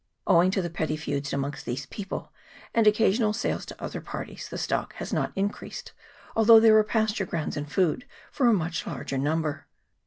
Owing to the petty feuds amongst these people, and occasional sales to other parties, the stock has not increased, although there are pasture grounds and food for a much larger number.